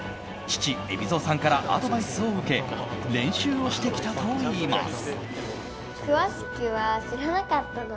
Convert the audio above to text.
父・海老蔵さんからアドバイスを受け練習をしてきたといいます。